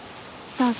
どうぞ。